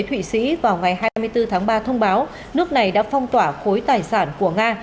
thụy sĩ vào ngày hai mươi bốn tháng ba thông báo nước này đã phong tỏa khối tài sản của nga